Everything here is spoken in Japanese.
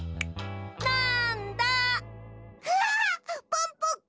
ポンポコ。